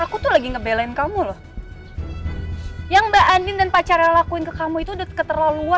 aku tuh lagi ngebelain kamu loh yang mbak anin dan pacara lakuin ke kamu itu udah keterlaluan